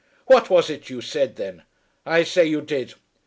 "What was it you said, then? I say you did.